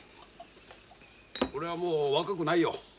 俺はもう若くないよ。